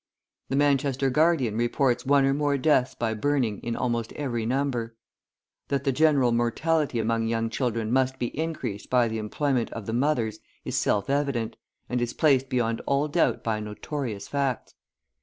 The Manchester Guardian reports one or more deaths by burning in almost every number. That the general mortality among young children must be increased by the employment of the mothers is self evident, and is placed beyond all doubt by notorious facts.